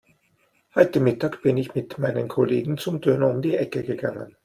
Heute Mittag bin ich mit meinen Kollegen zum Döner um die Ecke gegangen.